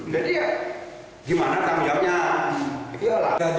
jadi ya gimana tanggung jawabnya